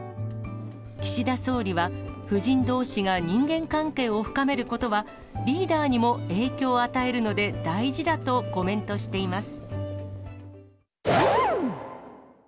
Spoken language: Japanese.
岸田総理は、夫人どうしが人間関係を深めることは、リーダーにも影響を与えるので大事だとコメントしています。